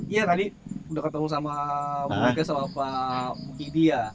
iya tadi udah ketemu sama pak bukidi ya